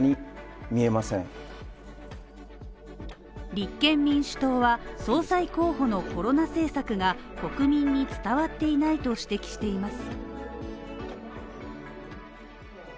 立憲民主党は総裁候補のコロナ政策が国民に伝わっていないと指摘しています。